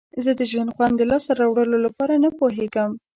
زه د ژوند خوند د لاسته راوړلو لپاره نه پوهیږم.